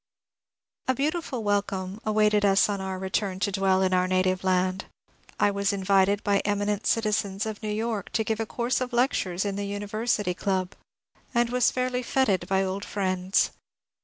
A beautiful welcome awaited us on our return to dwell in our native land. I was invited by eminent citizens of New York to give a course of lectures in the University Club, and was fairly feted by old friends.